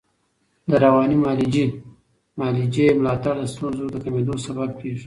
د رواني معالجې ملاتړ د ستونزو د کمېدو سبب کېږي.